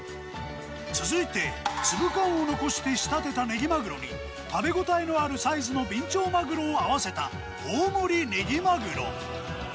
続いて粒感を残して仕立てたねぎまぐろに食べ応えのあるサイズのびんちょうまぐろを合わせた大盛りねぎまぐろ。